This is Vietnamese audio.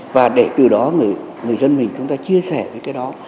và để từ đó người dân mình chúng ta chia sẻ với cái đó